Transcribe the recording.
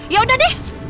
ya udah deh